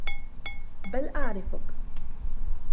بَلْ أَعْرِفُك